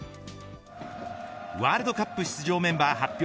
ワールドカップ出場メンバー発表